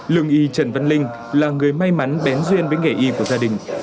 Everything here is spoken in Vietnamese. lương y trần văn linh là người may mắn bén duyên với nghề y của gia đình